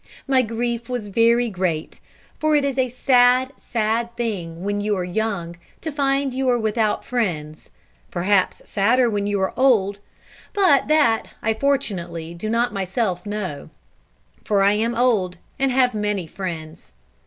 My grief was very great; for it is a sad, sad thing when you are young to find you are without friends; perhaps sadder when you are old; but that, I fortunately do not myself know, for I am old, and have many friends.